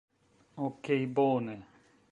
Okej, bone.